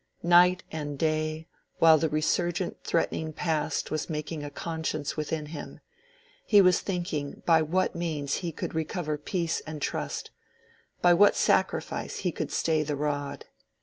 Night and day, while the resurgent threatening past was making a conscience within him, he was thinking by what means he could recover peace and trust—by what sacrifice he could stay the rod.